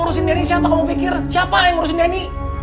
ngurusin dany siapa kamu pikir siapa yang ngurusin dany